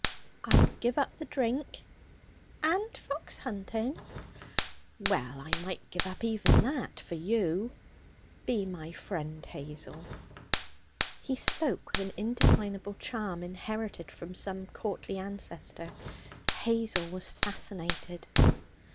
'I'd give up the drink.' 'And fox hunting?' 'Well, I might give up even that for you. Be my friend, Hazel.' He spoke with an indefinable charm inherited from some courtly ancestor. Hazel was fascinated.